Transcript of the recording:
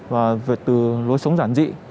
và việc từ lối sống giản dị